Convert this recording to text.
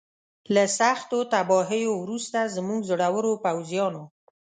له سختو تباهیو وروسته زموږ زړورو پوځیانو.